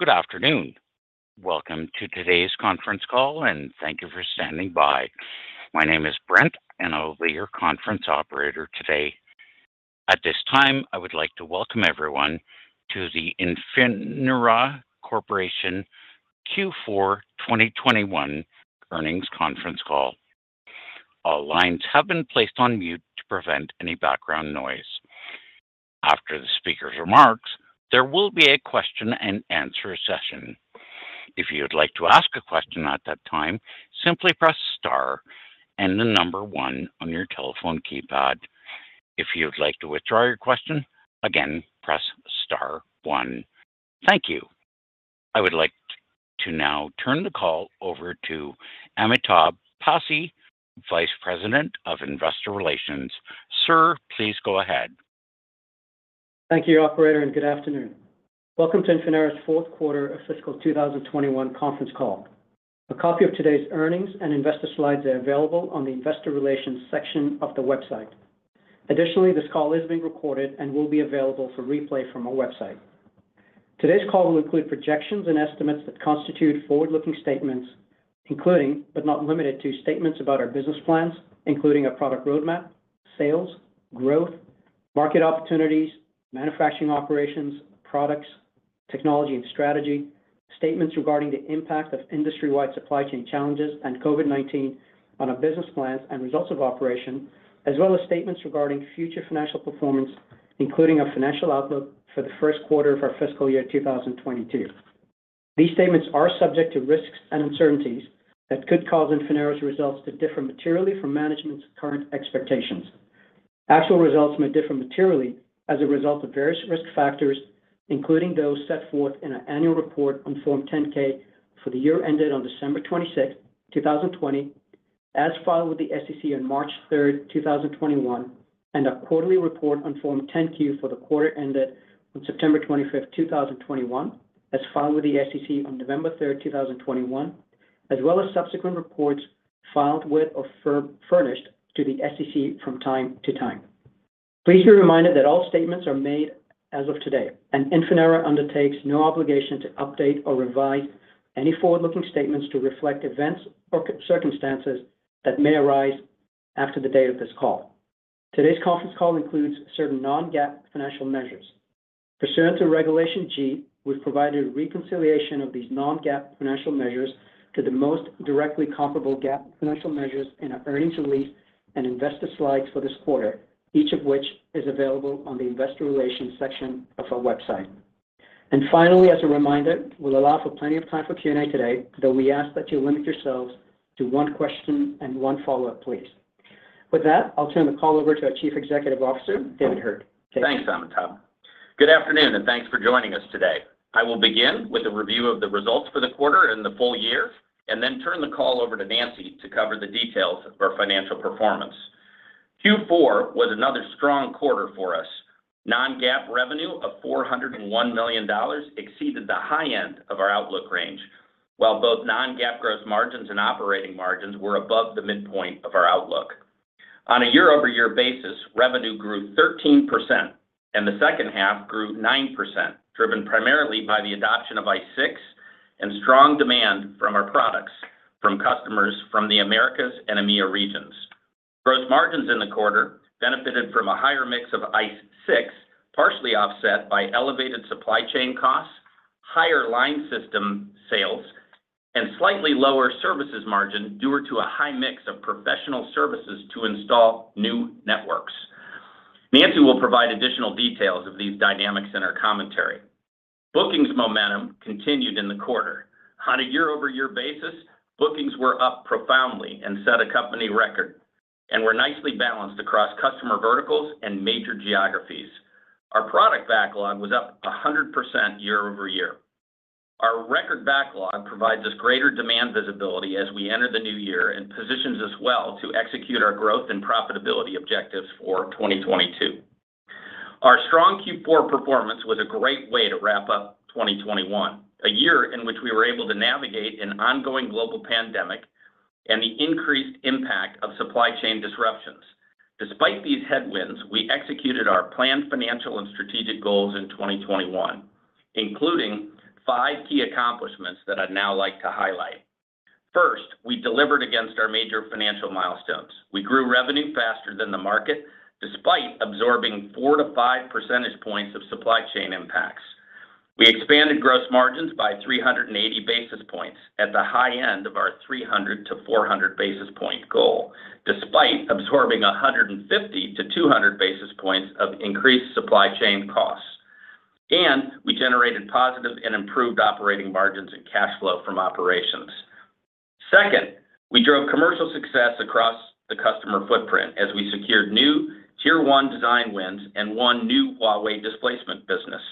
Good afternoon. Welcome to today's conference call, and thank you for standing by. My name is Brent, and I'll be your conference operator today. At this time, I would like to welcome everyone to the Infinera Corporation Q4 2021 earnings conference call. All lines have been placed on mute to prevent any background noise. After the speaker's remarks, there will be a question and answer session. If you'd like to ask a question at that time, simply press star and the number one on your telephone keypad. If you'd like to withdraw your question, again, press star one. Thank you. I would like to now turn the call over to Amitabh Passi, Vice President of Investor Relations. Sir, please go ahead. Thank you, operator, and good afternoon. Welcome to Infinera's Q4 of fiscal 2021 conference call. A copy of today's earnings and investor slides are available on the investor relations section of the website. Additionally, this call is being recorded and will be available for replay from our website. Today's call will include projections and estimates that constitute forward-looking statements, including, but not limited to, statements about our business plans, including our product roadmap, sales, growth, market opportunities, manufacturing operations, products, technology and strategy, statements regarding the impact of industry-wide supply chain challenges and COVID-19 on our business plans and results of operation, as well as statements regarding future financial performance, including our financial outlook for the Q1 of our fiscal year 2022. These statements are subject to risks and uncertainties that could cause Infinera's results to differ materially from management's current expectations. Actual results may differ materially as a result of various risk factors, including those set forth in our annual report on Form 10-K for the year ended on December 26, 2020, as filed with the SEC on March 3, 2021, and our quarterly report on Form 10-Q for the quarter ended on September 25, 2021, as filed with the SEC on November 3, 2021, as well as subsequent reports filed with or furnished to the SEC from time to time. Please be reminded that all statements are made as of today, and Infinera undertakes no obligation to update or revise any forward-looking statements to reflect events or circumstances that may arise after the date of this call. Today's conference call includes certain non-GAAP financial measures. Pursuant to Regulation G, we've provided reconciliation of these non-GAAP financial measures to the most directly comparable GAAP financial measures in our earnings release and investor slides for this quarter, each of which is available on the investor relations section of our website. Finally, as a reminder, we'll allow for plenty of time for Q&A today, though we ask that you limit yourselves to one question and one follow-up, please. With that, I'll turn the call over to our Chief Executive Officer, David Heard. Take it away. Thanks, Amitabh. Good afternoon, and thanks for joining us today. I will begin with a review of the results for the quarter and the full year, and then turn the call over to Nancy to cover the details of our financial performance. Q4 was another strong quarter for us. Non-GAAP revenue of $401 million exceeded the high end of our outlook range, while both non-GAAP gross margins and operating margins were above the midpoint of our outlook. On a year-over-year basis, revenue grew 13%, and the second half grew 9%, driven primarily by the adoption of ICE6 and strong demand for our products from customers in the Americas and EMEIA regions. Gross margins in the quarter benefited from a higher mix of ICE6, partially offset by elevated supply chain costs, higher line system sales, and slightly lower services margin due to a high mix of professional services to install new networks. Nancy will provide additional details of these dynamics in our commentary. Bookings momentum continued in the quarter. On a year-over-year basis, bookings were up profoundly and set a company record and were nicely balanced across customer verticals and major geographies. Our product backlog was up 100% year-over-year. Our record backlog provides us greater demand visibility as we enter the new year and positions us well to execute our growth and profitability objectives for 2022. Our strong Q4 performance was a great way to wrap up 2021, a year in which we were able to navigate an ongoing global pandemic and the increased impact of supply chain disruptions. Despite these headwinds, we executed our planned financial and strategic goals in 2021, including five key accomplishments that I'd now like to highlight. First, we delivered against our major financial milestones. We grew revenue faster than the market despite absorbing four-five percentage points of supply chain impacts. We expanded gross margins by 380 basis points at the high end of our 300-400 basis point goal, despite absorbing 150-200 basis points of increased supply chain costs. We generated positive and improved operating margins and cash flow from operations. Second, we drove commercial success across the customer footprint as we secured new tier one design wins and won new Huawei displacement business.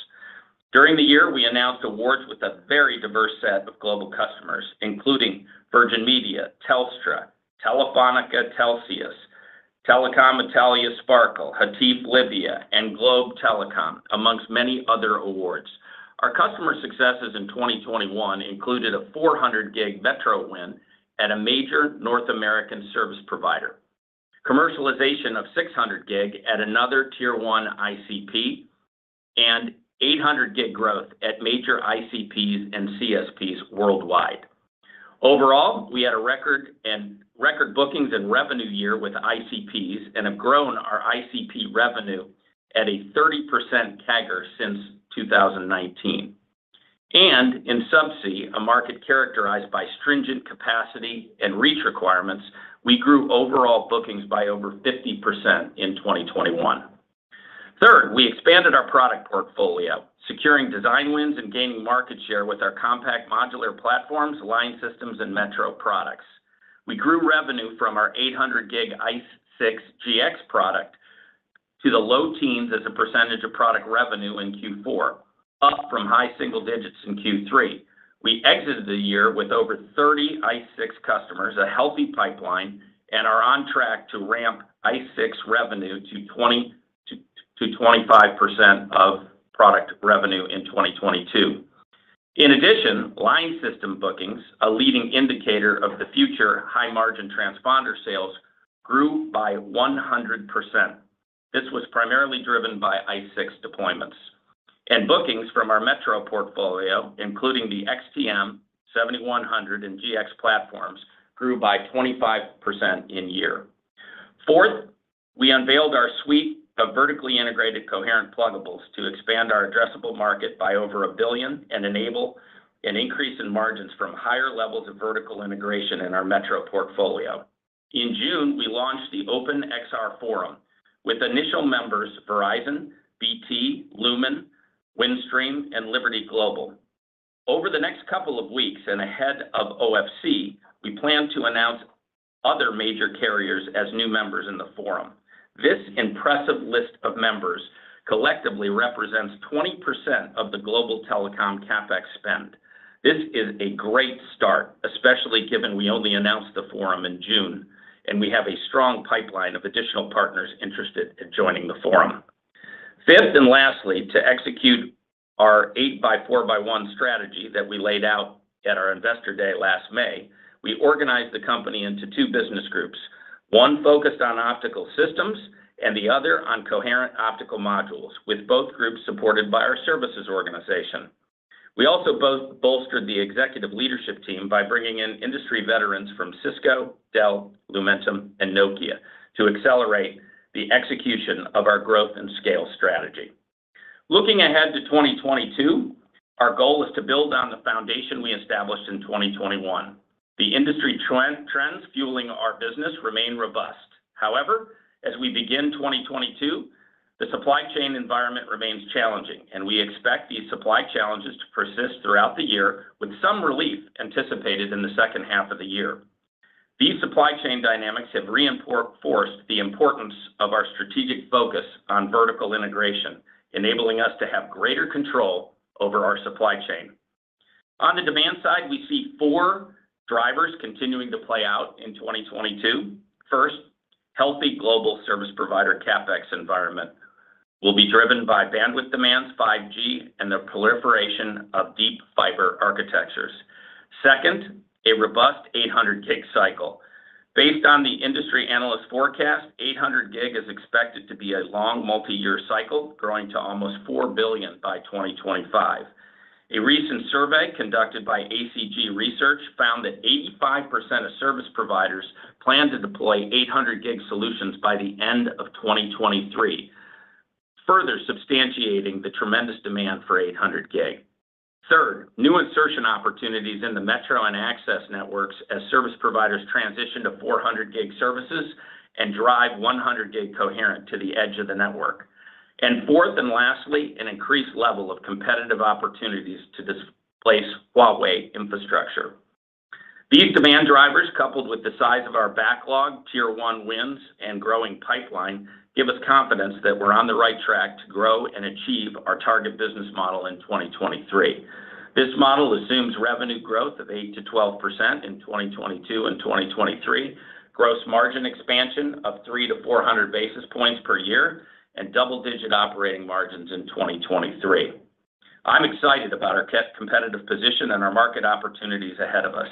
During the year, we announced awards with a very diverse set of global customers, including Virgin Media, Telstra, Telefónica Telxius, Telecom Italia Sparkle, Hatif Libya, and Globe Telecom, among many other awards. Our customer successes in 2021 included a 400G metro win at a major North American service provider. Commercialization of 600G at another tier one ICP and 800G growth at major ICPs and CSPs worldwide. Overall, we had a record bookings and revenue year with ICPs and have grown our ICP revenue at a 30% CAGR since 2019. In subsea, a market characterized by stringent capacity and reach requirements, we grew overall bookings by over 50% in 2021. Third, we expanded our product portfolio, securing design wins and gaining market share with our compact modular platforms, line systems, and metro products. We grew revenue from our 800G ICE6 GX product to the low teens as a percentage of product revenue in Q4, up from high single digits in Q3. We exited the year with over 30 ICE6 customers, a healthy pipeline, and are on track to ramp ICE6 revenue to 20%-25% of product revenue in 2022. In addition, line system bookings, a leading indicator of the future high margin transponder sales, grew by 100%. This was primarily driven by ICE6 deployments. Bookings from our metro portfolio, including the XTM, 7100, and GX platforms, grew by 25% in year. Fourth, we unveiled our suite of vertically integrated coherent pluggables to expand our addressable market by over $1 billion and enable an increase in margins from higher levels of vertical integration in our metro portfolio. In June, we launched the Open XR Forum with initial members Verizon, BT, Lumen, Windstream, and Liberty Global. Over the next couple of weeks and ahead of OFC, we plan to announce other major carriers as new members in the forum. This impressive list of members collectively represents 20% of the global telecom CapEx spend. This is a great start, especially given we only announced the forum in June, and we have a strong pipeline of additional partners interested in joining the forum. Fifth and lastly, to execute our eight by four by one strategy that we laid out at our investor day last May, we organized the company into two business groups, one focused on optical systems and the other on coherent optical modules, with both groups supported by our services organization. We also bolstered the executive leadership team by bringing in industry veterans from Cisco, Dell, Lumentum, and Nokia to accelerate the execution of our growth and scale strategy. Looking ahead to 2022, our goal is to build on the foundation we established in 2021. The industry trends fueling our business remain robust. However, as we begin 2022, the supply chain environment remains challenging, and we expect these supply challenges to persist throughout the year with some relief anticipated in the second half of the year. These supply chain dynamics have reinforced the importance of our strategic focus on vertical integration, enabling us to have greater control over our supply chain. On the demand side, we see four drivers continuing to play out in 2022. First, healthy global service provider CapEx environment will be driven by bandwidth demands, 5G, and the proliferation of deep fiber architectures. Second, a robust 800 gig cycle. Based on the industry analyst forecast, 800 gig is expected to be a long multiyear cycle growing to almost $4 billion by 2025. A recent survey conducted by ACG Research found that 85% of service providers plan to deploy 800 gig solutions by the end of 2023, further substantiating the tremendous demand for 800 gig. Third, new insertion opportunities in the metro and access networks as service providers transition to 400 gig services and drive 100 gig coherent to the edge of the network. Fourth and lastly, an increased level of competitive opportunities to displace Huawei infrastructure. These demand drivers, coupled with the size of our backlog, tier one wins, and growing pipeline, give us confidence that we're on the right track to grow and achieve our target business model in 2023. This model assumes revenue growth of 8%-12% in 2022 and 2023, gross margin expansion of 300-400 basis points per year, and double-digit operating margins in 2023. I'm excited about our best competitive position and our market opportunities ahead of us.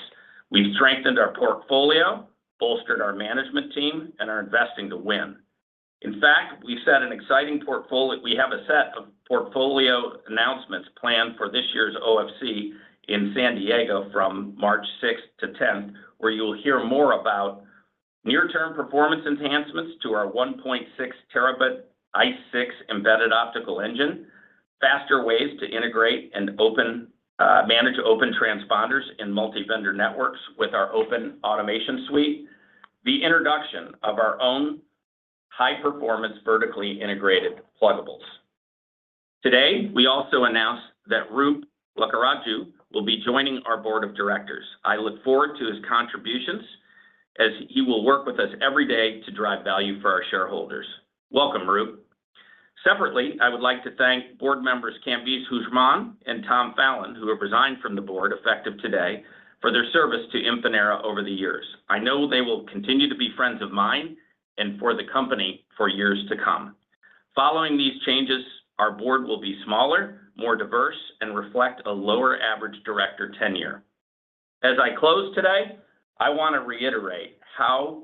We've strengthened our portfolio, bolstered our management team, and are investing to win. In fact, we've set an exciting—we have a set of portfolio announcements planned for this year's OFC in San Diego from March sixth to tenth, where you'll hear more about near-term performance enhancements to our 1.6 terabit ICE6 embedded optical engine, faster ways to integrate and open manage open transponders in multi-vendor networks with our open automation suite, the introduction of our own high-performance vertically integrated pluggables. Today, we also announce that Roop Lakkaraju will be joining our board of directors. I look forward to his contributions as he will work with us every day to drive value for our shareholders. Welcome, Roop. Separately, I would like to thank board members Kambiz Hooshmand and Tom Fallon, who have resigned from the board effective today, for their service to Infinera over the years. I know they will continue to be friends of mine and for the company for years to come. Following these changes, our board will be smaller, more diverse, and reflect a lower average director tenure. As I close today, I want to reiterate how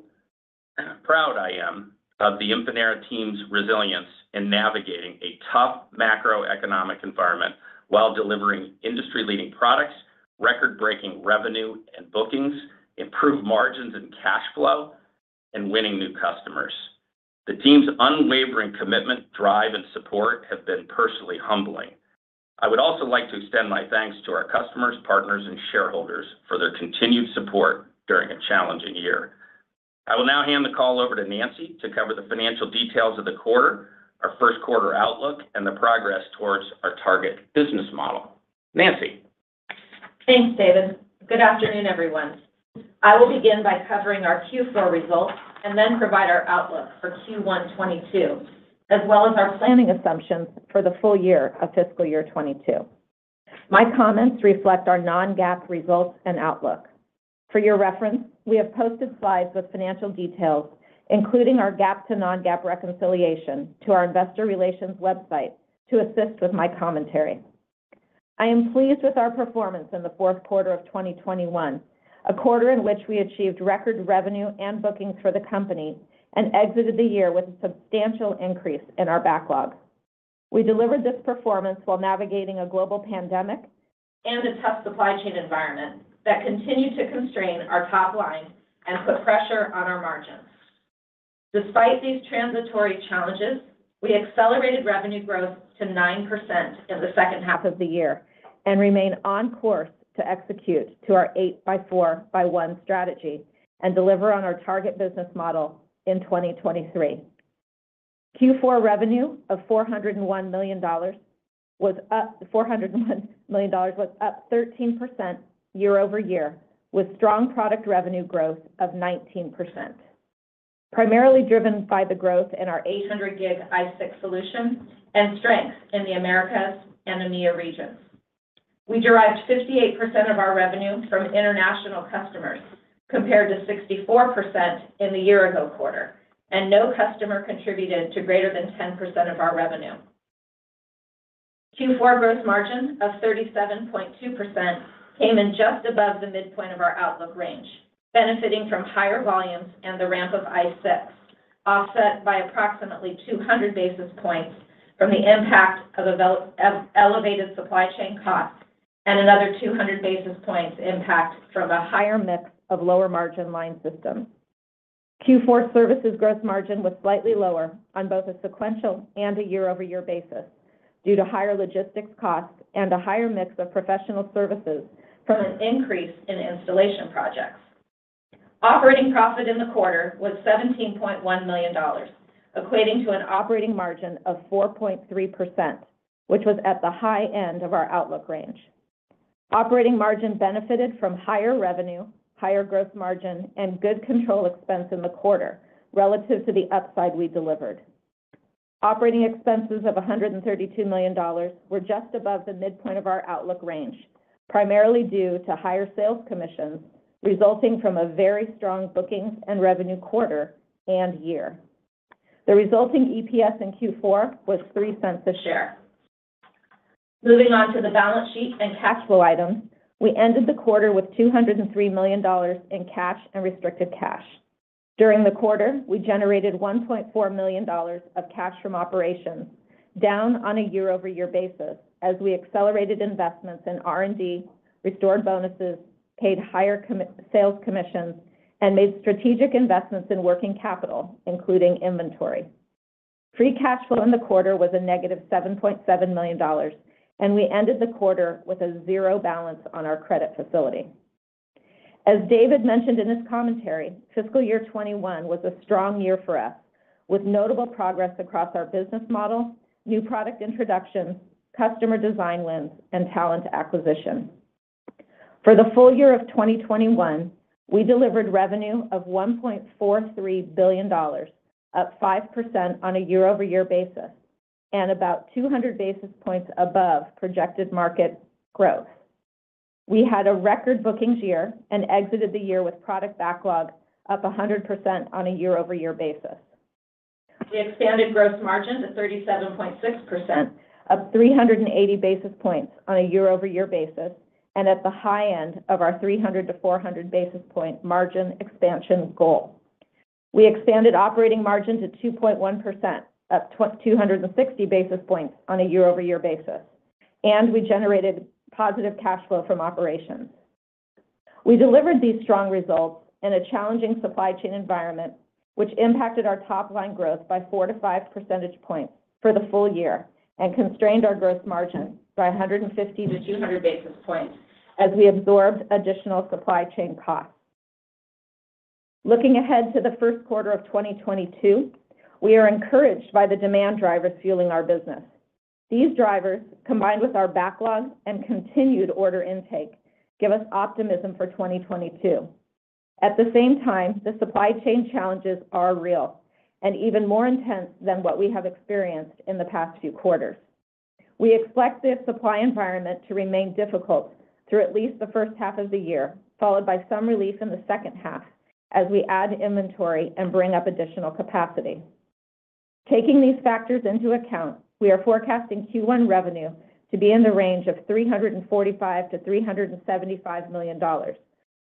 proud I am of the Infinera team's resilience in navigating a tough macroeconomic environment while delivering industry-leading products, record-breaking revenue and bookings, improved margins and cash flow, and winning new customers. The team's unwavering commitment, drive, and support have been personally humbling. I would also like to extend my thanks to our customers, partners, and shareholders for their continued support during a challenging year. I will now hand the call over to Nancy to cover the financial details of the quarter, our Q1 outlook, and the progress towards our target business model. Nancy. Thanks, David. Good afternoon, everyone. I will begin by covering our Q4 results and then provide our outlook for Q1 2022, as well as our planning assumptions for the full year of fiscal year 2022. My comments reflect our non-GAAP results and outlook. For your reference, we have posted slides with financial details, including our GAAP to non-GAAP reconciliation to our investor relations website to assist with my commentary. I am pleased with our performance in the Q4 of 2021, a quarter in which we achieved record revenue and bookings for the company and exited the year with a substantial increase in our backlog. We delivered this performance while navigating a global pandemic and a tough supply chain environment that continue to constrain our top line and put pressure on our margins. Despite these transitory challenges, we accelerated revenue growth to 9% in the second half of the year and remain on course to execute to our 8x4x1 strategy and deliver on our target business model in 2023. Q4 revenue of $401 million was up 13% year-over-year, with strong product revenue growth of 19%, primarily driven by the growth in our 800G ICE6 solution and strength in the Americas and EMEIA regions. We derived 58% of our revenue from international customers, compared to 64% in the year-ago quarter, and no customer contributed to greater than 10% of our revenue. Q4 gross margin of 37.2% came in just above the midpoint of our outlook range, benefiting from higher volumes and the ramp of ICE6, offset by approximately 200 basis points from the impact of elevated supply chain costs and another 200 basis points impact from a higher mix of lower margin line systems. Q4 services gross margin was slightly lower on both a sequential and a year-over-year basis due to higher logistics costs and a higher mix of professional services from an increase in installation projects. Operating profit in the quarter was $17.1 million, equating to an operating margin of 4.3%, which was at the high end of our outlook range. Operating margin benefited from higher revenue, higher gross margin, and good expense control in the quarter relative to the upside we delivered. Operating expenses of $132 million were just above the midpoint of our outlook range, primarily due to higher sales commissions resulting from a very strong bookings and revenue quarter and year. The resulting EPS in Q4 was $0.03 a share. Moving on to the balance sheet and cash flow items, we ended the quarter with $203 million in cash and restricted cash. During the quarter, we generated $1.4 million of cash from operations, down on a year-over-year basis as we accelerated investments in R&D, restored bonuses, paid higher sales commissions, and made strategic investments in working capital, including inventory. Free cash flow in the quarter was -$7.7 million, and we ended the quarter with a $0 balance on our credit facility. As David mentioned in his commentary, fiscal year 2021 was a strong year for us, with notable progress across our business model, new product introductions, customer design wins, and talent acquisition. For the full year of 2021, we delivered revenue of $1.43 billion, up 5% on a year-over-year basis and about 200 basis points above projected market growth. We had a record bookings year and exited the year with product backlog up 100% on a year-over-year basis. We expanded gross margin to 37.6%, up 380 basis points on a year-over-year basis, and at the high end of our 300-400 basis point margin expansion goal. We expanded operating margin to 2.1%, up 260 basis points on a year-over-year basis, and we generated positive cash flow from operations. We delivered these strong results in a challenging supply chain environment, which impacted our top line growth by four-five percentage points for the full year and constrained our gross margin by 150-200 basis points as we absorbed additional supply chain costs. Looking ahead to the Q1 of 2022, we are encouraged by the demand drivers fueling our business. These drivers, combined with our backlog and continued order intake, give us optimism for 2022. At the same time, the supply chain challenges are real and even more intense than what we have experienced in the past few quarters. We expect this supply environment to remain difficult through at least the first half of the year, followed by some relief in the second half as we add inventory and bring up additional capacity. Taking these factors into account, we are forecasting Q1 revenue to be in the range of $345 million-$375 million,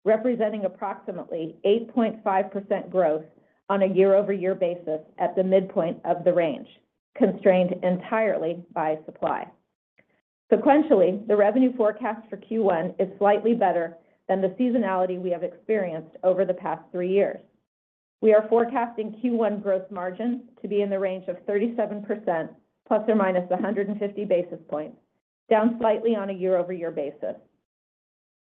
representing approximately 8.5% growth on a year-over-year basis at the midpoint of the range, constrained entirely by supply. Sequentially, the revenue forecast for Q1 is slightly better than the seasonality we have experienced over the past three years. We are forecasting Q1 gross margins to be in the range of 37% ±150 basis points, down slightly on a year-over-year basis.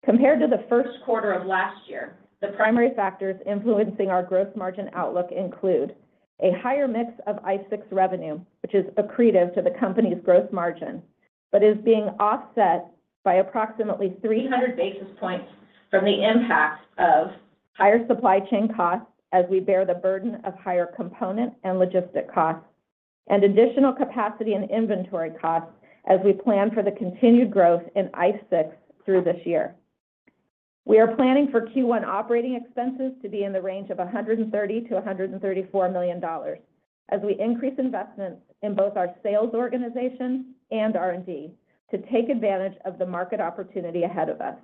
Compared to the Q1 of last year, the primary factors influencing our growth margin outlook include a higher mix of ICE6 revenue, which is accretive to the company's growth margin. Is being offset by approximately 300 basis points from the impact of higher supply chain costs as we bear the burden of higher component and logistics costs, and additional capacity and inventory costs as we plan for the continued growth in ICE6 through this year. We are planning for Q1 operating expenses to be in the range of $130 million-$134 million as we increase investments in both our sales organization and R&D to take advantage of the market opportunity ahead of us.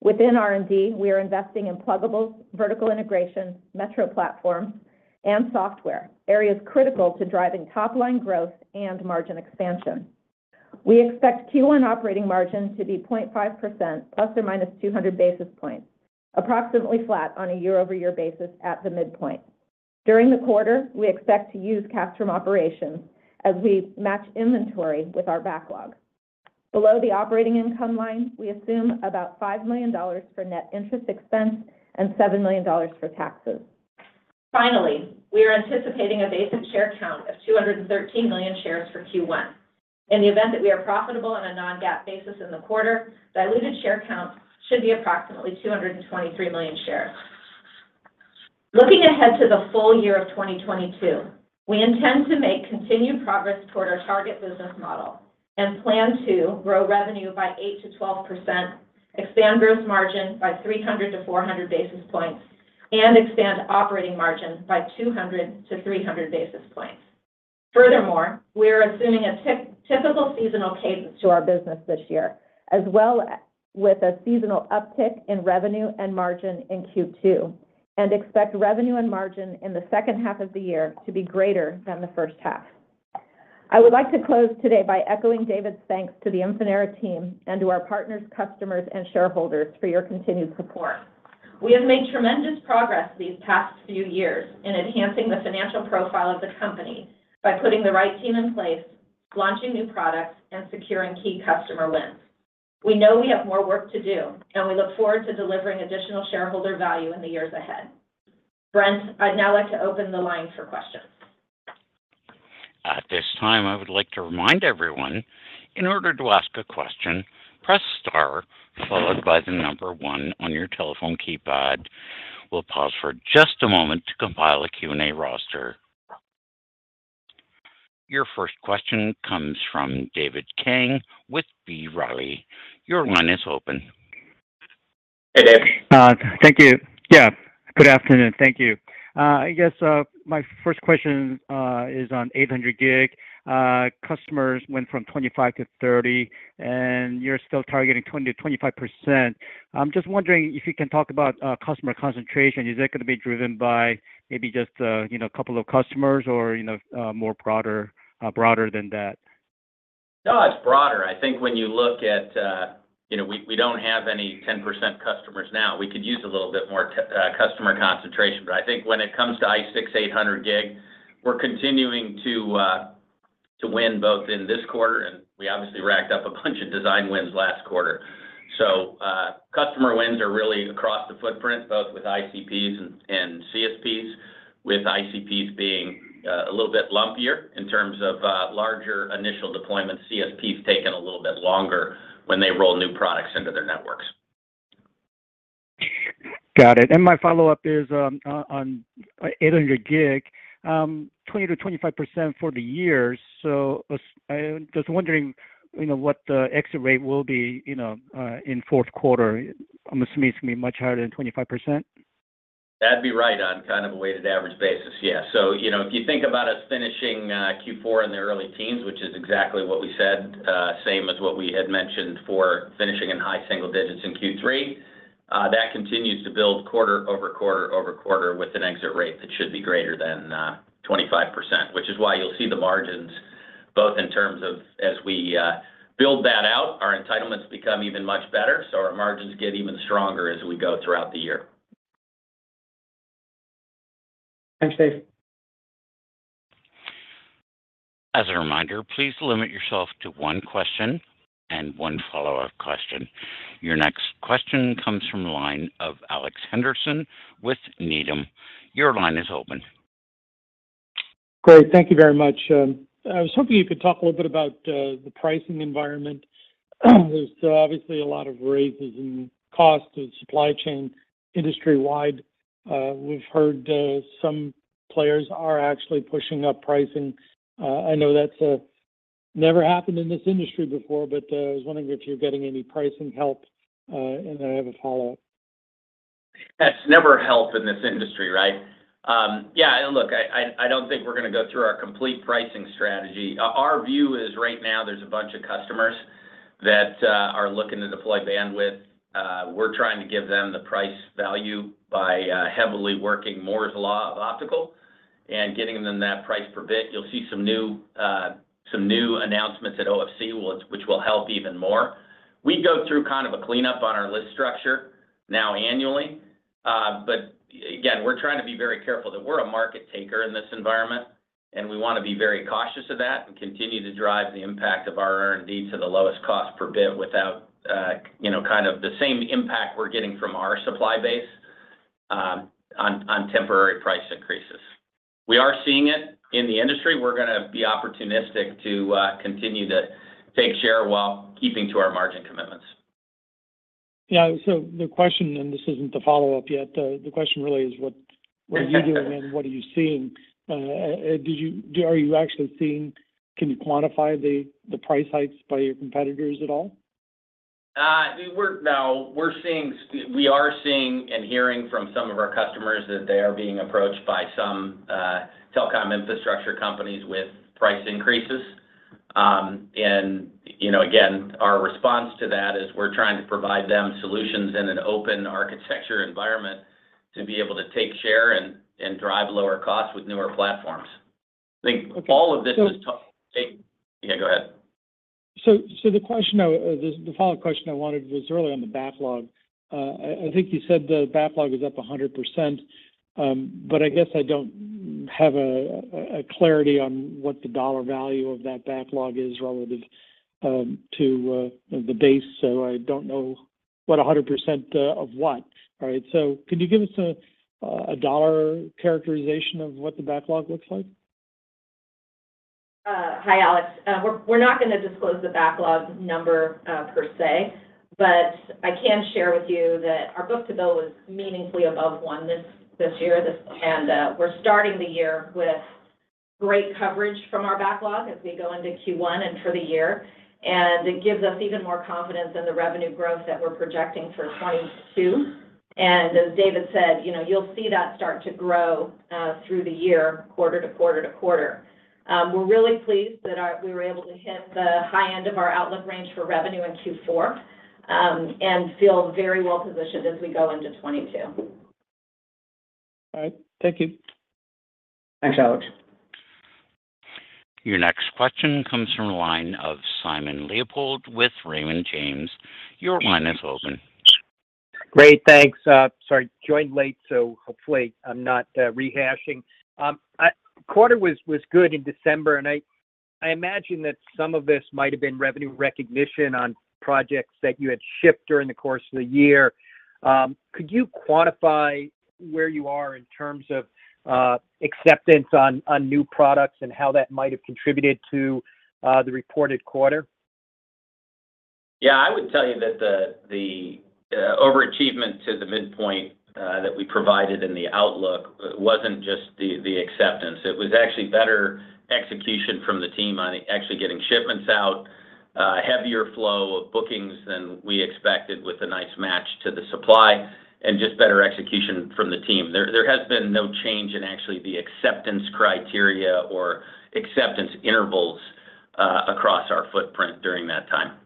Within R&D, we are investing in pluggables, vertical integration, metro platform, and software, areas critical to driving top-line growth and margin expansion. We expect Q1 operating margin to be 0.5% ±200 basis points, approximately flat on a year-over-year basis at the midpoint. During the quarter, we expect to use cash from operations as we match inventory with our backlog. Below the operating income line, we assume about $5 million for net interest expense and $7 million for taxes. Finally, we are anticipating a basic share count of 213 million shares for Q1. In the event that we are profitable on a non-GAAP basis in the quarter, diluted share count should be approximately 223 million shares. Looking ahead to the full year of 2022, we intend to make continued progress toward our target business model and plan to grow revenue by 8%-12%, expand gross margin by 300-400 basis points, and expand operating margin by 200-300 basis points. Furthermore, we are assuming a typical seasonal cadence to our business this year, as well as with a seasonal uptick in revenue and margin in Q2, and expect revenue and margin in the second half of the year to be greater than the first half. I would like to close today by echoing David's thanks to the Infinera team and to our partners, customers, and shareholders for your continued support. We have made tremendous progress these past few years in enhancing the financial profile of the company by putting the right team in place, launching new products, and securing key customer wins. We know we have more work to do, and we look forward to delivering additional shareholder value in the years ahead. Brent, I'd now like to open the line for questions. At this time, I would like to remind everyone, in order to ask a question, press star followed by the number one on your telephone keypad. We'll pause for just a moment to compile a Q&A roster. Your first question comes from David Kang with B. Riley. Your line is open. Hey, Dave. Thank you. Good afternoon. Thank you. I guess my first question is on 800 gig. Customers went from 25-30, and you're still targeting 20%-25%. I'm just wondering if you can talk about customer concentration. Is that gonna be driven by maybe just a couple of customers or you know more broader than that? No, it's broader. I think when you look at, you know, we don't have any 10% customers now. We could use a little bit more customer concentration. I think when it comes to ICE6 800 gig, we're continuing to win both in this quarter, and we obviously racked up a bunch of design wins last quarter. Customer wins are really across the footprint, both with ICPs and CSPs, with ICPs being a little bit lumpier in terms of larger initial deployments. CSP has taken a little bit longer when they roll new products into their networks. Got it. My follow-up is on 800 gig. 20%-25% for the year. I'm just wondering, you know, what the exit rate will be, you know, in Q4. I'm assuming it's gonna be much higher than 25%. That'd be right on kind of a weighted average basis. Yeah. You know, if you think about us finishing Q4 in the early teens, which is exactly what we said, same as what we had mentioned for finishing in high single digits in Q3, that continues to build quarter-over-quarter-over-quarter with an exit rate that should be greater than 25%, which is why you'll see the margins both in terms of as we build that out, our entitlements become even much better, so our margins get even stronger as we go throughout the year. Thanks, Dave. As a reminder, please limit yourself to one question and one follow-up question. Your next question comes from the line of Alex Henderson with Needham. Your line is open. Great. Thank you very much. I was hoping you could talk a little bit about the pricing environment. There's obviously a lot of rises in costs of supply chain industry-wide. We've heard some players are actually pushing up pricing. I know that's never happened in this industry before, but I was wondering if you're getting any pricing help. And I have a follow-up. That's never helped in this industry, right? Yeah. Look, I don't think we're gonna go through our complete pricing strategy. Our view is right now there's a bunch of customers that are looking to deploy bandwidth. We're trying to give them the price value by heavily working Moore's Law of optical and getting them that price per bit. You'll see some new announcements at OFC which will help even more. We go through kind of a cleanup on our list structure now annually. Again, we're trying to be very careful that we're a market taker in this environment, and we wanna be very cautious of that and continue to drive the impact of our R&D to the lowest cost per bit without, you know, kind of the same impact we're getting from our supply base, on temporary price increases. We are seeing it in the industry. We're gonna be opportunistic to continue to take share while keeping to our margin commitments. The question, and this isn't the follow-up yet, the question really is what are you doing? Exactly. What are you seeing? Are you actually seeing? Can you quantify the price hikes by your competitors at all? We are seeing and hearing from some of our customers that they are being approached by some telecom infrastructure companies with price increases. You know, again, our response to that is we're trying to provide them solutions in an open architecture environment to be able to take share and drive lower costs with newer platforms. Okay. I think all of this is. Yeah, go ahead. The follow-up question I wanted was really on the backlog. I think you said the backlog was up 100%, but I guess I don't have a clarity on what the dollar value of that backlog is relative to the base. I don't know what 100% of what. All right, could you give us a dollar characterization of what the backlog looks like? Hi, Alex. We're not gonna disclose the backlog number per se, but I can share with you that our book-to-bill is meaningfully above one this year, and we're starting the year with great coverage from our backlog as we go into Q1 and for the year. It gives us even more confidence in the revenue growth that we're projecting for 2022. As David said, you know, you'll see that start to grow through the year, quarter-quarter-quarter. We're really pleased that we were able to hit the high end of our outlook range for revenue in Q4 and feel very well positioned as we go into 2022. All right. Thank you. Thanks, Alex. Your next question comes from the line of Simon Leopold with Raymond James. Your line is open. Great. Thanks. Sorry, joined late, so hopefully I'm not rehashing. Quarter was good in December, and I imagine that some of this might have been revenue recognition on projects that you had shipped during the course of the year. Could you quantify where you are in terms of acceptance on new products and how that might have contributed to the reported quarter? Yeah. I would tell you that the over-achievement to the midpoint that we provided in the outlook wasn't just the acceptance. It was actually better execution from the team on actually getting shipments out, heavier flow of bookings than we expected with a nice match to the supply, and just better execution from the team. There has been no change in actually the acceptance criteria or acceptance intervals across our footprint during that time.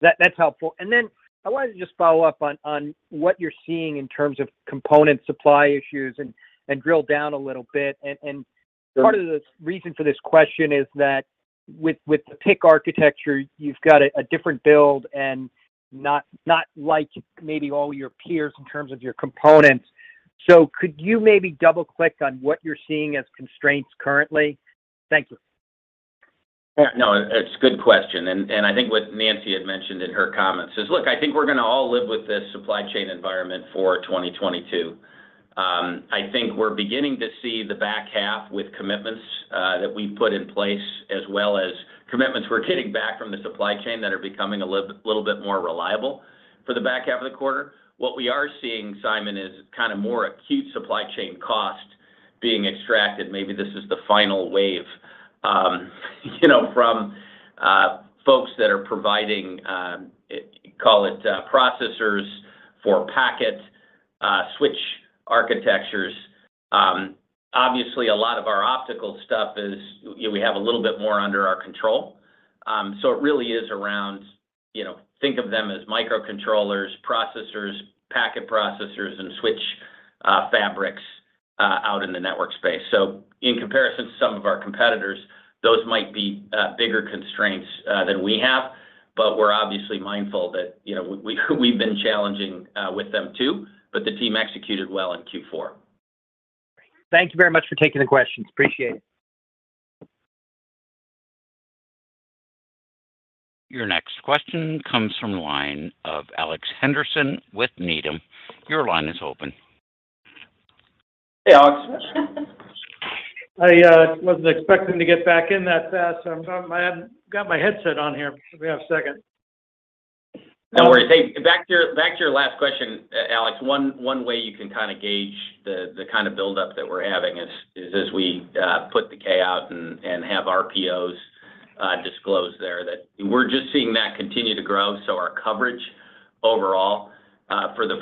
That's helpful. Then I wanted to just follow up on what you're seeing in terms of component supply issues and drill down a little bit. Part of the reason for this question is that with the PIC architecture, you've got a different build and not like maybe all your peers in terms of your components. Could you maybe double-click on what you're seeing as constraints currently? Thank you. Yeah, no, it's a good question. I think what Nancy had mentioned in her comments is, look, I think we're gonna all live with this supply chain environment for 2022. I think we're beginning to see the back half with commitments that we put in place, as well as commitments we're getting back from the supply chain that are becoming a little bit more reliable for the back half of the quarter. What we are seeing, Simon, is kind of more acute supply chain cost being extracted. Maybe this is the final wave, you know, from folks that are providing call it processors for packet switch architectures. Obviously a lot of our optical stuff is, you know, we have a little bit more under our control. It really is around, you know, think of them as micro-controllers, processors, packet processors, and switch fabrics out in the network space. In comparison to some of our competitors, those might be bigger constraints than we have, but we're obviously mindful that, you know, we've been challenging with them too, but the team executed well in Q4. Thank you very much for taking the questions. Appreciate it. Your next question comes from the line of Alex Henderson with Needham. Your line is open. Hey, Alex. I wasn't expecting to get back in that fast. I haven't got my headset on here. Give me a second. No worries. Hey, back to your last question, Alex, one way you can kind of gauge the kind of buildup that we're having is as we put the K out and have RPOs disclose there that we're just seeing that continue to grow, so our coverage overall for the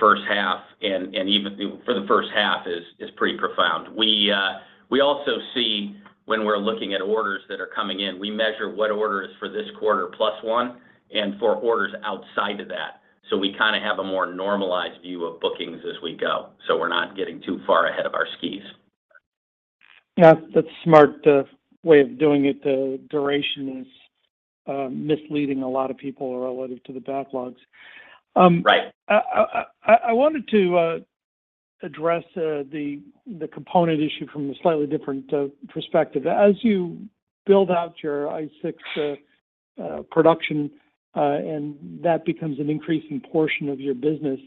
first half is pretty profound. We also see when we're looking at orders that are coming in, we measure what orders are for this quarter plus one and for orders outside of that. We kind of have a more normalized view of bookings as we go, so we're not getting too far ahead of our skis. Yeah, that's a smart way of doing it. The duration is misleading a lot of people relative to the backlogs. Right I wanted to address the component issue from a slightly different perspective. As you build out your ICE6 production and that becomes an increasing portion of your business,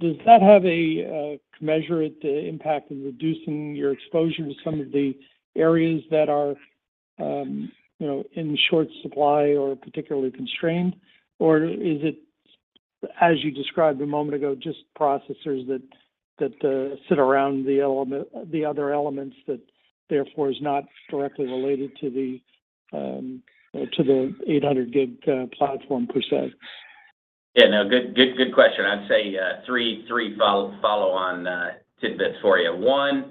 does that have a commensurate impact in reducing your exposure to some of the areas that are, you know, in short supply or particularly constrained? Or is it, as you described a moment ago, just processors that sit around the other elements that therefore is not directly related to the 800G platform per se? Yeah, no, good question. I'd say three follow-on tidbits for you. One,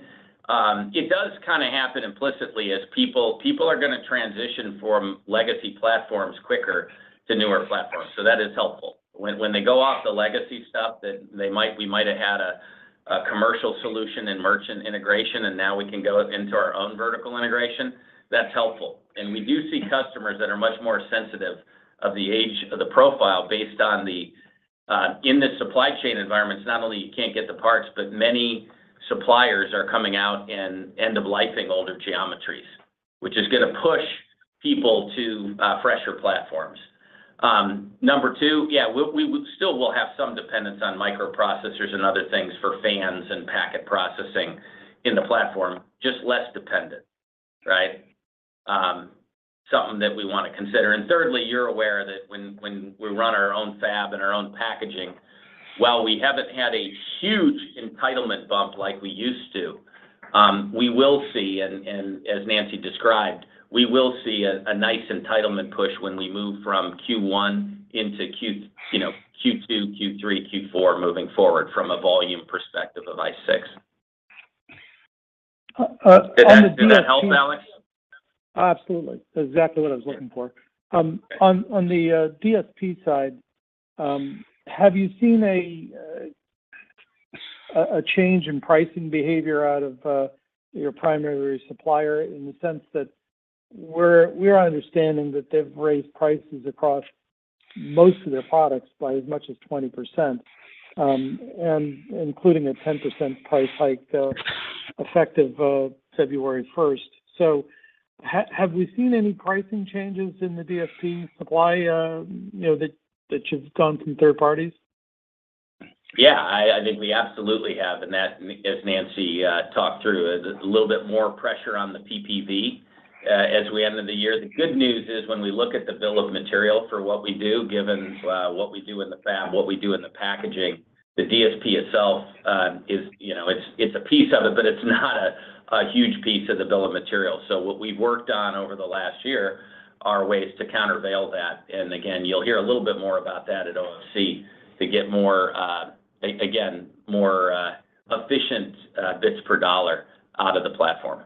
it does kind of happen implicitly as people are gonna transition from legacy platforms quicker to newer platforms, so that is helpful. When they go off the legacy stuff that we might have had a commercial solution and merchant integration, and now we can go into our own vertical integration, that's helpful. We do see customers that are much more sensitive to the age of the profile based on the environment in the supply chain environments, not only you can't get the parts, but many suppliers are coming out and end of life-ing older geometries, which is gonna push people to fresher platforms. Number two, yeah, we still will have some dependence on microprocessors and other things for fans and packet processing in the platform, just less dependent, right? Something that we want to consider. Thirdly, you're aware that when we run our own fab and our own packaging, while we haven't had a huge entitlement bump like we used to, we will see and as Nancy described, we will see a nice entitlement push when we move from Q1 into Q, you know, Q2, Q3, Q4 moving forward from a volume perspective of ICE6. Uh, uh, on the DSP- Did that help, Alex? Absolutely. Exactly what I was looking for. On the DSP side, have you seen a change in pricing behavior out of your primary supplier in the sense that we're understanding that they've raised prices across most of their products by as much as 20%, and including a 10% price hike, effective February first. Have we seen any pricing changes in the DSP supply, you know, that you've gotten from third parties? Yeah, I think we absolutely have, and that, as Nancy talked through, a little bit more pressure on the PPV as we end the year. The good news is when we look at the bill of material for what we do, given what we do in the fab, what we do in the packaging, the DSP itself is, you know, it's a piece of it, but it's not a huge piece of the bill of material. What we've worked on over the last year are ways to countervail that. Again, you'll hear a little bit more about that at OFC to get more again more efficient bits per dollar out of the platform.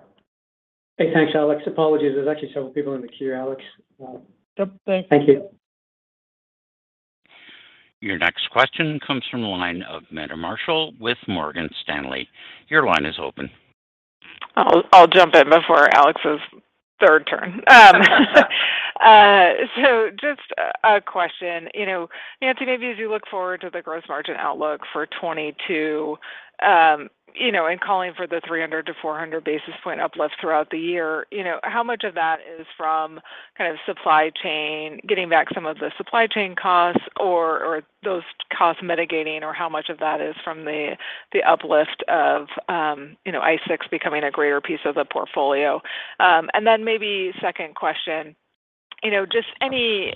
Okay, thanks, Alex. Apologies. There's actually several people in the queue, Alex. Yep. Thanks. Thank you. Your next question comes from the line of Meta Marshall with Morgan Stanley. Your line is open. I'll jump in before Alex's third turn. Just a question. You know, Nancy, maybe as you look forward to the gross margin outlook for 2022, you know, and calling for the 300-400 basis point uplift throughout the year, you know, how much of that is from kind of supply chain, getting back some of the supply chain costs or those costs mitigating, or how much of that is from the uplift of, you know, ICE6 becoming a greater piece of the portfolio? Maybe second question, you know, just any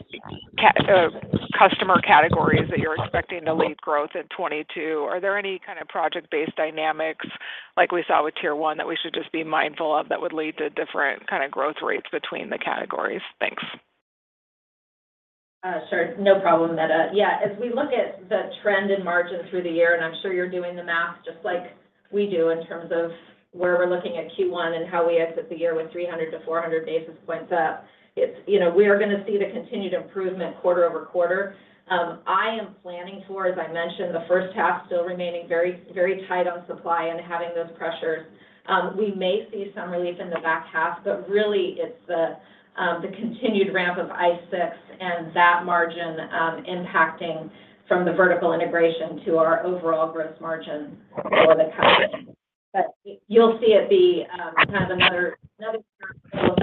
customer categories that you're expecting to lead growth in 2022. Are there any kind of project-based dynamics like we saw with Tier One that we should just be mindful of that would lead to different kind of growth rates between the categories? Thanks. Sure. No problem, Meta. Yeah, as we look at the trend in margin through the year, and I'm sure you're doing the math just like we do in terms of where we're looking at Q1 and how we exit the year with 300-400 basis points up, it's, you know, we are gonna see the continued improvement quarter-over-quarter. I am planning for, as I mentioned, the first half still remaining very, very tight on supply and having those pressures. We may see some relief in the back half, but really it's the continued ramp of ICE6 and that margin impacting from the vertical integration to our overall gross margin for the company. You'll see it be kind of another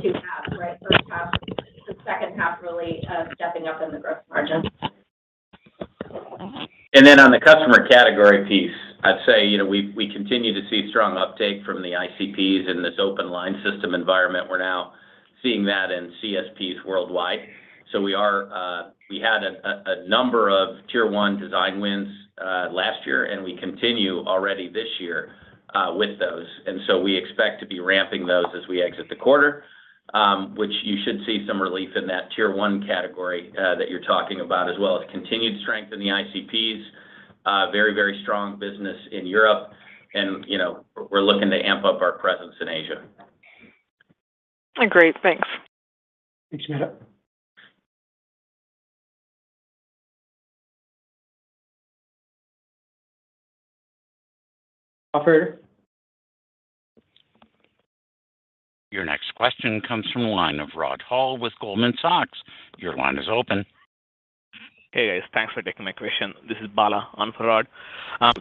two halves, right? First half, the second half really stepping up in the gross margin. On the customer category piece, I'd say, you know, we continue to see strong uptake from the ICPs in this open line system environment. We're now seeing that in CSPs worldwide. We had a number of Tier One design wins last year, and we continue already this year with those. We expect to be ramping those as we exit the quarter, which you should see some relief in that tier one category that you're talking about, as well as continued strength in the ICPs, a very, very strong business in Europe, and, you know, we're looking to amp up our presence in Asia. Great. Thanks. Thanks, Amanda. Operator? Your next question comes from the line of Rod Hall with Goldman Sachs. Your line is open. Hey, guys. Thanks for taking my question. This is Bala on for Rod.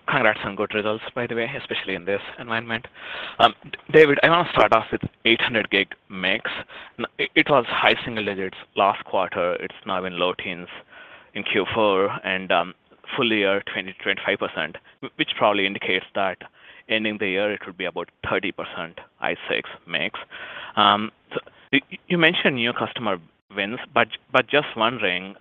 Congrats on good results, by the way, especially in this environment. David, I want to start off with 800G mix. It was high single digits last quarter. It's now in low teens in Q4 and full year 20%-25%, which probably indicates that ending the year it will be about 30% ICE6 mix. So you mentioned new customer wins, but just wondering,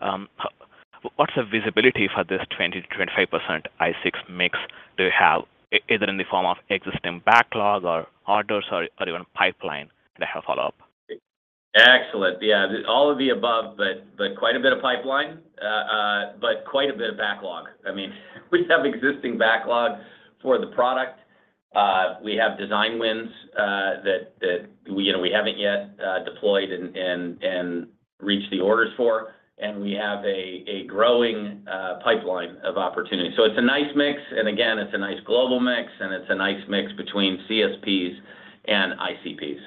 what's the visibility for this 20%-25% ICE6 mix do you have, either in the form of existing backlog or orders or even pipeline that I have follow up? Excellent. Yeah. All of the above, but quite a bit of pipeline, but quite a bit of backlog. I mean, we have existing backlog for the product. We have design wins that we, you know, we haven't yet deployed and reached the orders for, and we have a growing pipeline of opportunities. So it's a nice mix. Again, it's a nice global mix, and it's a nice mix between CSPs and ICPs.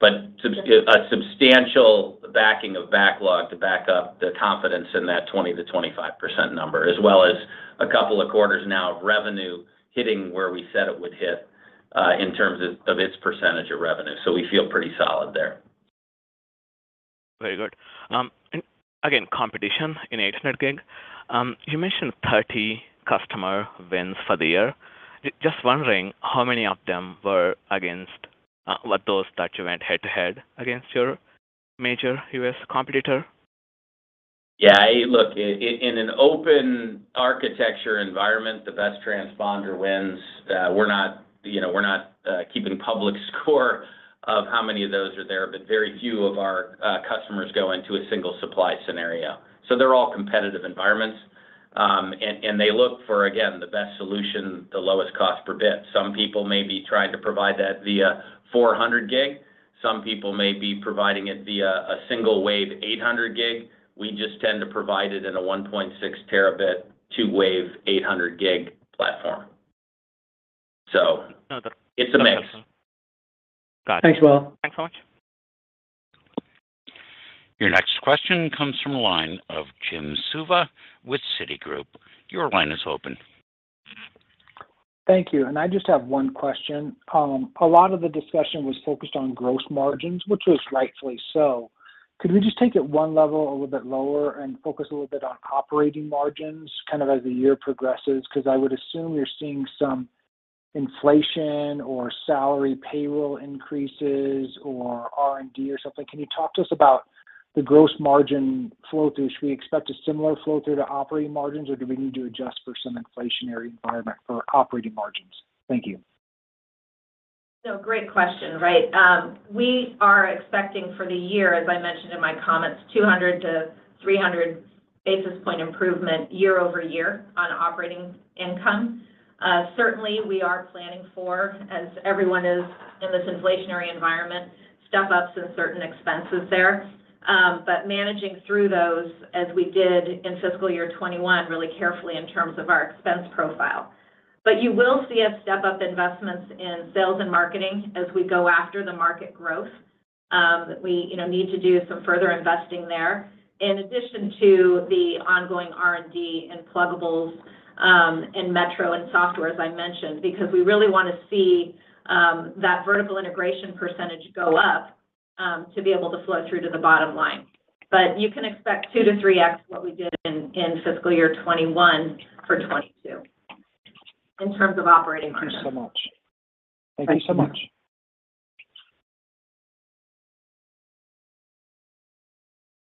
But a substantial backing of backlog to back up the confidence in that 20%-25% number, as well as a couple of quarters now of revenue hitting where we said it would hit in terms of its percentage of revenue. So we feel pretty solid there. Very good. Again, competition in 800G. You mentioned 30 customer wins for the year. Just wondering how many of them were against what those that you went head-to-head against your major U.S. competitor? Yeah, look, in an open architecture environment, the best transponder wins. We're not, you know, keeping public score of how many of those are there, but very few of our customers go into a single supply scenario. They're all competitive environments. They look for, again, the best solution, the lowest cost per bit. Some people may be trying to provide that via 400 gig. Some people may be providing it via a single wave 800 gig. We just tend to provide it in a 1.6 terabit two-wave 800 gig platform. It's a mix. Got it. Thanks, Bala. Thanks so much. Your next question comes from the line of Jim Suva with Citigroup. Your line is open. Thank you. I just have one question. A lot of the discussion was focused on gross margins, which was rightfully so. Could we just take it one level a little bit lower and focus a little bit on operating margins, kind of as the year progresses? Because I would assume you're seeing some inflation or salary payroll increases or R&D or something. Can you talk to us about the gross margin flow through? Should we expect a similar flow through to operating margins, or do we need to adjust for some inflationary environment for operating margins? Thank you. No, great question, right. We are expecting for the year, as I mentioned in my comments, 200-300 basis point improvement year-over-year on operating income. Certainly we are planning for, as everyone is in this inflationary environment, step ups in certain expenses there. Managing through those as we did in fiscal year 2021 really carefully in terms of our expense profile. You will see us step up investments in sales and marketing as we go after the market growth. We, you know, need to do some further investing there. In addition to the ongoing R&D and pluggables, and metro and software, as I mentioned, because we really want to see that vertical integration percentage go up, to be able to flow through to the bottom line. You can expect 2-3x what we did in fiscal year 2021 for 2022 in terms of operating margin. Thank you so much. Thanks.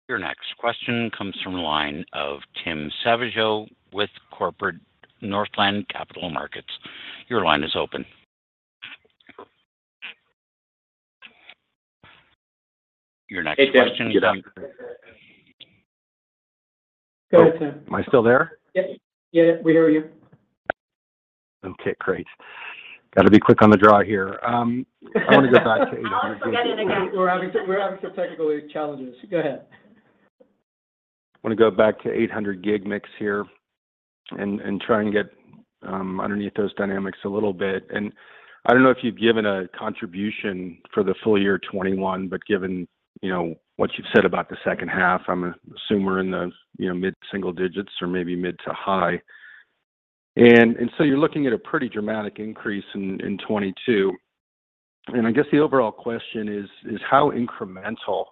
Your next question comes from the line of Tim Savageaux with Northland Capital Markets. Your line is open. Your next question is- Hey, Tim. Go ahead, Tim. Am I still there? Yep. Yeah, we hear you. Okay, great. Got to be quick on the draw here. I want to go back to. I'll forget it again. We're having some technical challenges. Go ahead. I want to go back to 800G mix here and try and get underneath those dynamics a little bit. I don't know if you've given a contribution for the full year 2021, but given, you know, what you've said about the second half, I'm going to assume we're in the, you know, mid-single digits or maybe mid to high. So you're looking at a pretty dramatic increase in 2022. I guess the overall question is how incremental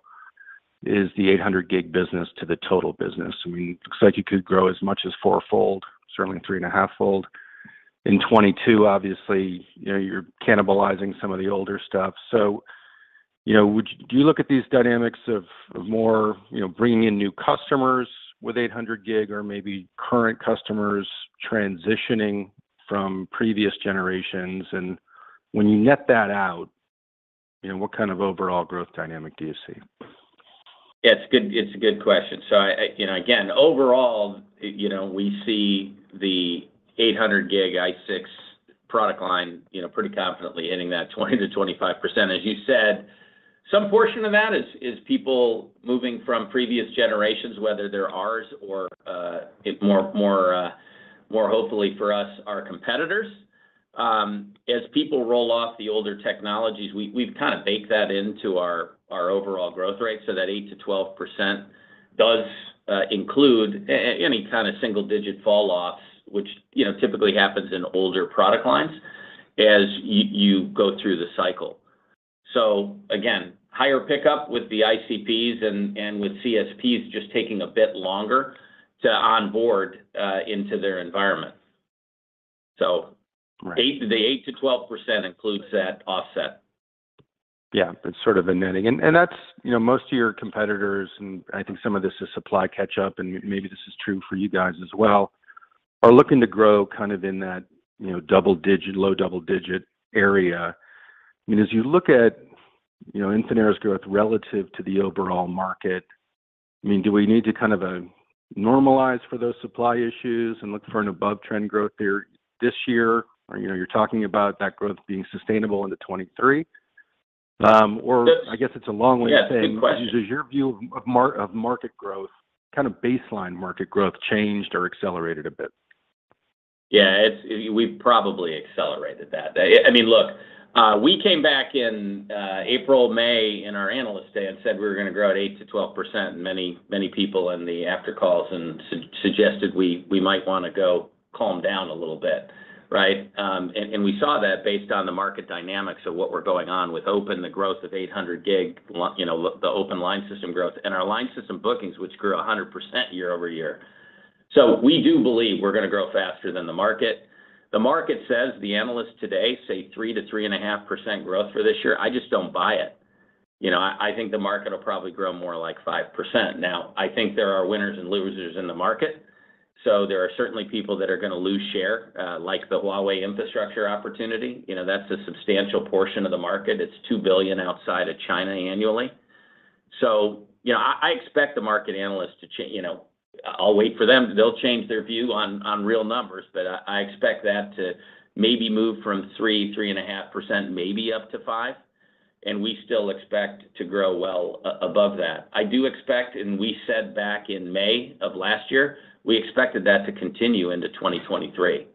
is the 800G business to the total business? I mean, looks like it could grow as much as four-fold, certainly 3.5-fold. In 2022, obviously, you know, you're cannibalizing some of the older stuff. You know, would you, do you look at these dynamics of more, you know, bringing in new customers with 800 gig or maybe current customers transitioning from previous generations? When you net that out, you know, what kind of overall growth dynamic do you see? Yeah, it's a good question. I, you know, again, overall, you know, we see the 800G ICE6 product line, you know, pretty confidently hitting that 20%-25%. As you said, some portion of that is people moving from previous generations, whether they're ours or, if more hopefully for us, our competitors. As people roll off the older technologies, we've kinda baked that into our overall growth rate, so that 8%-12% does include any kind of single digit falloffs, which, you know, typically happens in older product lines as you go through the cycle. Again, higher pickup with the ICPs and with CSPs just taking a bit longer to onboard into their environment. Right 8%-12% includes that offset. Yeah. That's sort of a netting. And that's, you know, most of your competitors, and I think some of this is supply catch-up, and maybe this is true for you guys as well, are looking to grow kind of in that, you know, double-digit, low double-digit area. I mean, as you look at, you know, Infinera's growth relative to the overall market, I mean, do we need to kind of normalize for those supply issues and look for an above trend growth there this year? Or, you know, you're talking about that growth being sustainable into 2023. Or I guess it's a long way of saying- Yeah, good question. Has your view of market growth, kind of baseline market growth changed or accelerated a bit? Yeah. It's we've probably accelerated that. I mean, look, we came back in April, May in our Analyst Day and said we were gonna grow at 8%-12%, and many people in the after calls suggested we might wanna go calm down a little bit, right? We saw that based on the market dynamics of what was going on with OpenXR, the growth of 800G, you know, the open line system growth, and our line system bookings, which grew 100% year-over-year. We do believe we're gonna grow faster than the market. The market says, the analysts today say 3%-3.5% growth for this year. I just don't buy it. You know, I think the market will probably grow more like 5%. I think there are winners and losers in the market. There are certainly people that are gonna lose share, like the Huawei infrastructure opportunity. You know, that's a substantial portion of the market. It's $2 billion outside of China annually. You know, I expect the market analysts to change. You know, I'll wait for them. They'll change their view on real numbers, but I expect that to maybe move from 3.5%, maybe up to 5%, and we still expect to grow well above that. I do expect, and we said back in May of last year, we expected that to continue into 2023.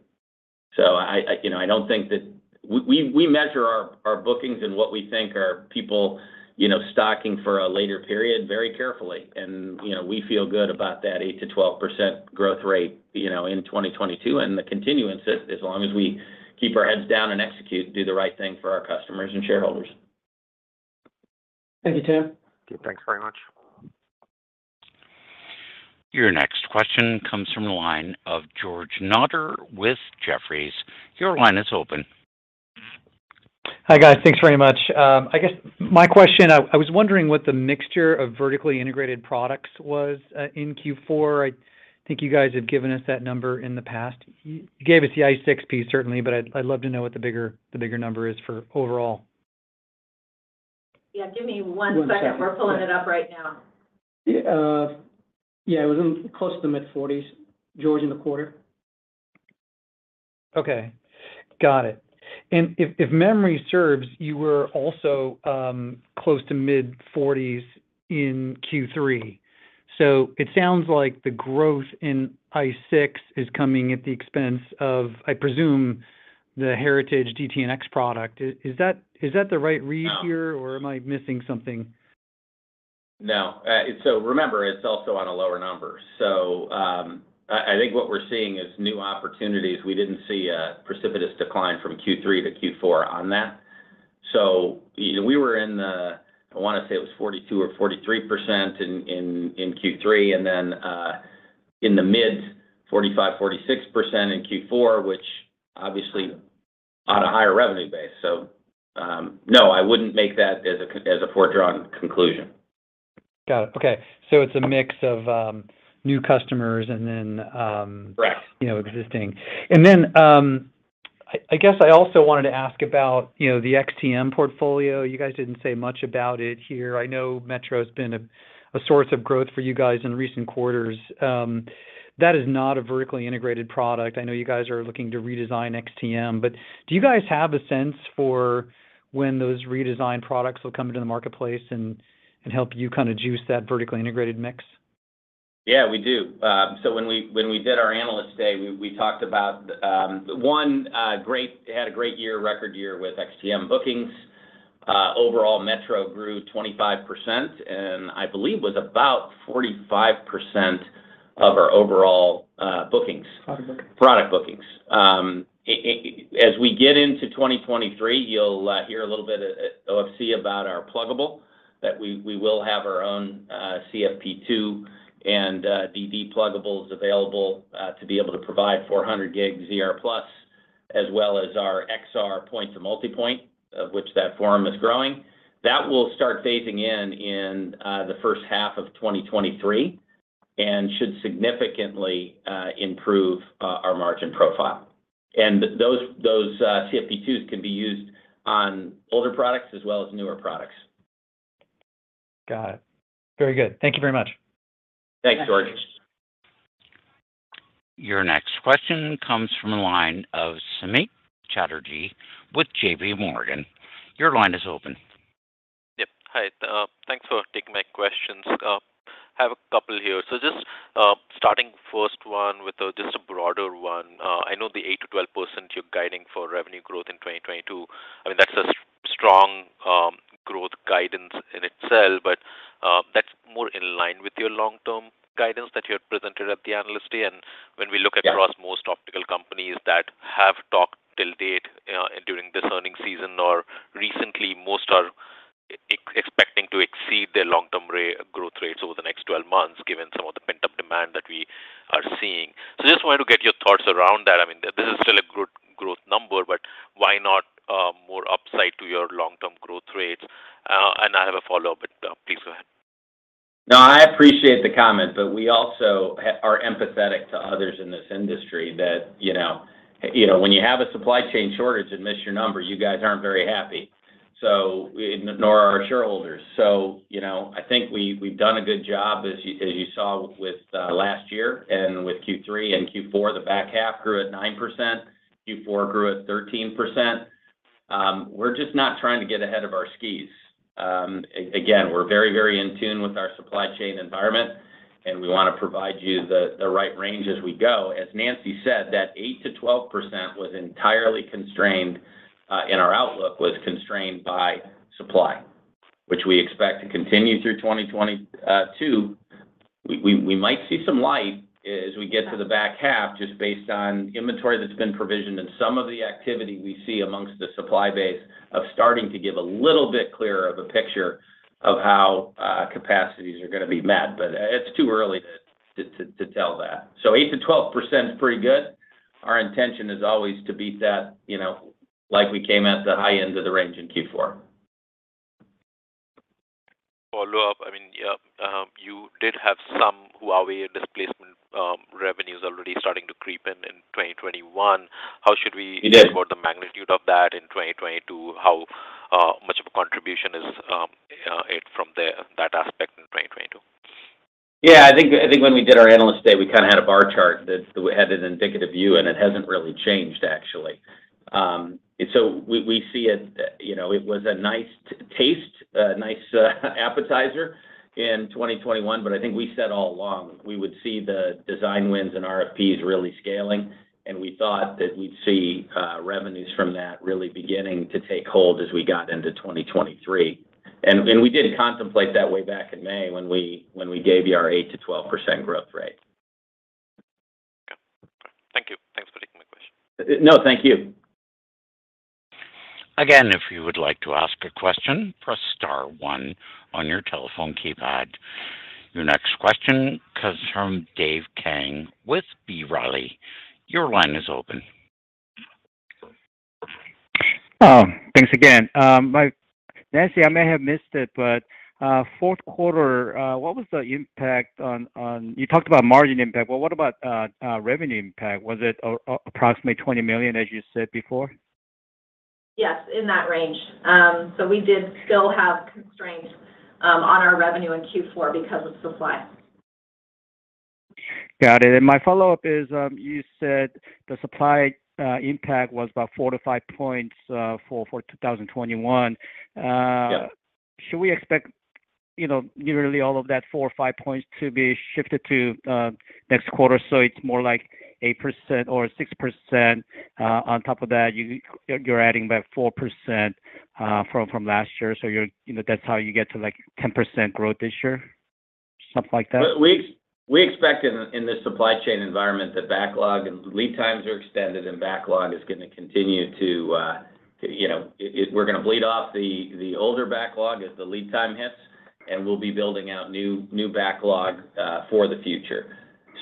You know, I don't think that. We measure our bookings and what we think are people, you know, stocking for a later period very carefully. You know, we feel good about that 8%-12% growth rate, you know, in 2022, and the continuance as long as we keep our heads down and execute, do the right thing for our customers and shareholders. Thank you, Tim. Okay. Thanks very much. Your next question comes from the line of George Notter with Jefferies. Your line is open. Hi, guys. Thanks very much. I guess my question, I was wondering what the mixture of vertically integrated products was in Q4. I think you guys had given us that number in the past. You gave us the ICE6 piece certainly, but I'd love to know what the bigger number is for overall. Yeah. Give me one second. One second. We're pulling it up right now. Yeah, it was in close to the mid-40s, George, in the quarter. Okay. Got it. If memory serves, you were also close to mid-forties in Q3. It sounds like the growth in ICE6 is coming at the expense of, I presume, the heritage DTN-X product. Is that the right read here? No Am I missing something? No. Remember, it's also on a lower number. I think what we're seeing is new opportunities. We didn't see a precipitous decline from Q3-Q4 on that. You know, we were in the, I wanna say it was 42 or 43% in Q3, and then in the mid-45, 46% in Q4, which obviously on a higher revenue base. No, I wouldn't make that as a foregone conclusion. Got it. Okay. It's a mix of new customers and then Correct you know, existing. Then, I guess I also wanted to ask about, you know, the XTM portfolio. You guys didn't say much about it here. I know metro's been a source of growth for you guys in recent quarters. That is not a vertically integrated product. I know you guys are looking to redesign XTM, but do you guys have a sense for when those redesigned products will come into the marketplace and help you kinda juice that vertically integrated mix? Yeah, we do. When we did our Analyst Day, we talked about a great year we had, record year with XTM bookings. Overall metro grew 25%, and I believe it was about 45% of our overall bookings. Product bookings. Product bookings. As we get into 2023, you'll hear a little bit at OFC about our pluggable, that we will have our own CFP2 and QSFP-DD Pluggables available to be able to provide 400 gig ZR+ as well as our XR point-to-multipoint, of which that forum is growing. That will start phasing in in the first half of 2023, and should significantly improve our margin profile. Those CFP2s can be used on older products as well as newer products. Got it. Very good. Thank you very much. Thanks, George. Your next question comes from the line of Samik Chatterjee with J.P. Morgan. Your line is open. Yep. Hi, thanks for taking my questions. Have a couple here. Just starting first one with just a broader one. I know the 8%-12% you're guiding for revenue growth in 2022, I mean, that's a strong growth guidance in itself, but that's more in line with your long-term guidance that you had presented at the Analyst Day. When we look- Yeah. Across most optical companies that have talked to date during this earnings season or recently, most are expecting to exceed their long-term growth rates over the next 12 months given some of the pent-up demand that we are seeing. Just wanted to get your thoughts around that. I mean, this is still a good growth number, but why not more upside to your long-term growth rates? And I have a follow-up, but please go ahead. No, I appreciate the comment, but we also are empathetic to others in this industry that, you know, when you have a supply chain shortage and miss your number, you guys aren't very happy, so nor our shareholders. You know, I think we've done a good job, as you saw with last year and with Q3 and Q4, the back half grew at 9%, Q4 grew at 13%. We're just not trying to get ahead of our skis. Again, we're very, very in tune with our supply chain environment, and we wanna provide you the right range as we go. As Nancy said, that 8%-12% was entirely constrained, in our outlook, was constrained by supply, which we expect to continue through 2022. We might see some light as we get to the back half just based on inventory that's been provisioned and some of the activity we see amongst the supply base of starting to give a little bit clearer of a picture of how capacities are gonna be met, but it's too early to tell that. 8%-12% is pretty good. Our intention is always to beat that, you know, like we came at the high end of the range in Q4. Follow-up, I mean, yeah, you did have some Huawei displacement, revenues already starting to creep in in 2021. How should we- Yes. Interpret the magnitude of that in 2022? How much of a contribution is it from that aspect in 2022? Yeah. I think when we did our Analyst Day, we kinda had a bar chart that we had an indicative view, and it hasn't really changed actually. So we see it, you know, it was a nice taste, a nice appetizer in 2021, but I think we said all along we would see the design wins and RFPs really scaling, and we thought that we'd see revenues from that really beginning to take hold as we got into 2023. We did contemplate that way back in May when we gave you our 8%-12% growth rate. Okay. Thank you. Thanks for taking my question. No, thank you. Again, if you would like to ask a question, press star one on your telephone keypad. Your next question comes from David Kang with B. Riley. Your line is open. Oh, thanks again. Nancy, I may have missed it, but Q4, what was the impact on? You talked about margin impact, but what about revenue impact? Was it approximately $20 million, as you said before? Yes, in that range. We did still have constraints on our revenue in Q4 because of supply. Got it. My follow-up is, you said the supply impact was about four-five points for 2021. Yeah. Should we expect, you know, nearly all of that four or five points to be shifted to next quarter, so it's more like 8% or 6%, on top of that you're adding back 4% from last year? You're, you know, that's how you get to, like, 10% growth this year? Something like that? We expect in this supply chain environment that backlog and lead times are extended, and backlog is gonna continue to. We're gonna bleed off the older backlog as the lead time hits, and we'll be building out new backlog for the future.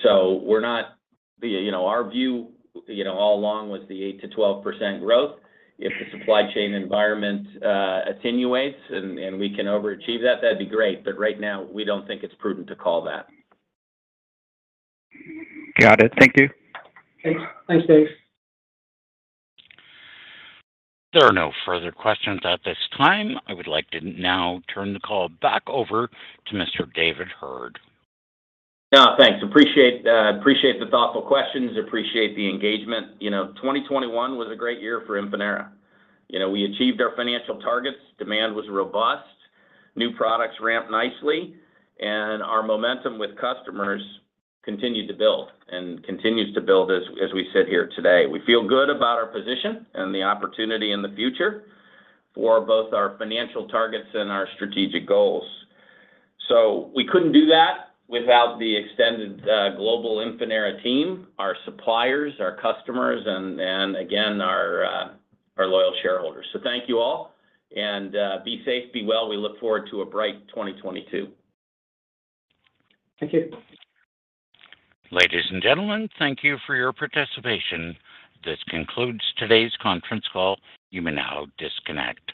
We're not, you know, our view, you know, all along was the 8%-12% growth. If the supply chain environment attenuates and we can overachieve that'd be great, but right now, we don't think it's prudent to call that. Got it. Thank you. Thanks. Thanks, Dave. There are no further questions at this time. I would like to now turn the call back over to Mr. David Heard. No, thanks. Appreciate the thoughtful questions, appreciate the engagement. You know, 2021 was a great year for Infinera. You know, we achieved our financial targets, demand was robust, new products ramped nicely, and our momentum with customers continued to build and continues to build as we sit here today. We feel good about our position and the opportunity in the future for both our financial targets and our strategic goals. We couldn't do that without the extended, global Infinera team, our suppliers, our customers, and again, our loyal shareholders. Thank you all, and be safe, be well. We look forward to a bright 2022. Thank you. Ladies and gentlemen, thank you for your participation. This concludes today's conference call. You may now disconnect.